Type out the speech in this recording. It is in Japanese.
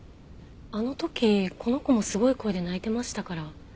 あの時この子もすごい声で鳴いてましたから。